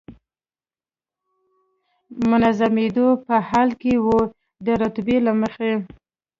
منظمېدو په حال کې و، د رتبې له مخې.